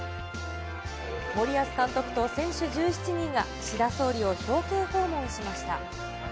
森保監督と選手１７人が岸田総理を表敬訪問しました。